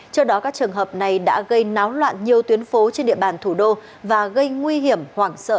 trước đó các trường hợp này đã gây náo loạn nhiều tuyến phố trên địa bàn thủ đô và gây nguy hiểm hoảng sợ